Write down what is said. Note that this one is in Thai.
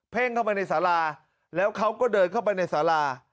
เข้าไปในสาราแล้วเขาก็เดินเข้าไปในสารา